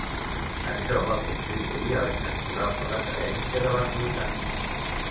Això va contribuir a la inexorable decadència de la ciutat.